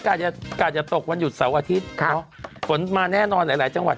กลายจะตกวันหยุดเสาร์อาทิตย์เนอะฝนมาแน่นอนหลายจังหวัด